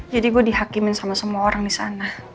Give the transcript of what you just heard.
jadi gue dihakimin sama semua orang disana